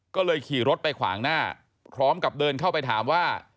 ก็เลยขี่รถไปขวางหน้าพร้อมกับเดินเข้าไปถามว่า